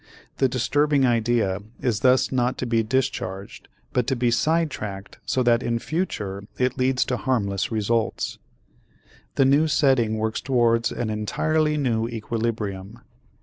The disturbing idea is thus not to be discharged but to be sidetracked so that in future it leads to harmless results. The new setting works towards an entirely new equilibrium.